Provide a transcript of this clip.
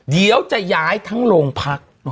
เดี๋ยวจะย้ายทั้งโรงพัก